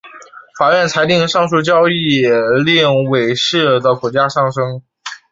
法院裁定上述交易令伟仕的股价上升。